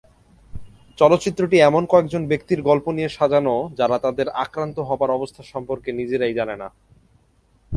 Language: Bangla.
চলচ্চিত্রটি এমন কয়েকজন ব্যক্তির গল্প নিয়ে সাজানো যারা তাদের আক্রান্ত হবার অবস্থা সম্পর্কে নিজেরাই জানে না।